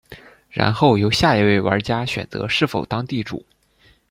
然后由下一位玩家选择是否当地主。